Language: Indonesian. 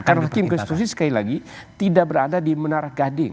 karena hakim konstitusi sekali lagi tidak berada di menara gading